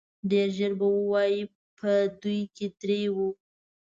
ډېر ژر به ووايي په دوی کې درې وو.